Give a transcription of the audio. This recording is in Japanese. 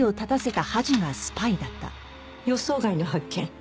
予想外の発見。